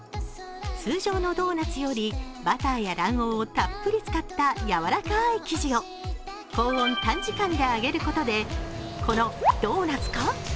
通常のドーナツより、バターや卵黄をたっぷり使ったやわらかい記事を高温・短時間で揚げることでこの、ドーナツか？